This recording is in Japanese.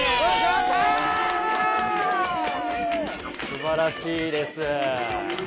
すばらしいです。